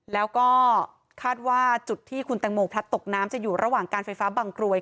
แล้วก็คาดว่าจุดที่คุณแตงโมพลัดตกน้ำจะอยู่ระหว่างการไฟฟ้าบางกรวย